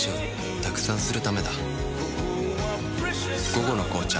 「午後の紅茶」